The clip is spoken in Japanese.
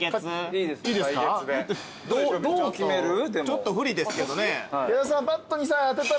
ちょっと不利ですけどね。